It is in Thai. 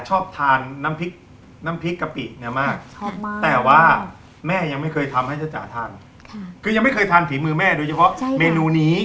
เจ้าสาวทานคือยังไม่เคยทานถีมือแม่โดยเฉพาะเมนูนี้